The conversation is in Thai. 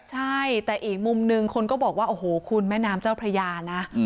ใช่แต่อีกมุมนึงคนก็บอกว่าโอ้โหคุณแม่น้ำเจ้าพระยานะ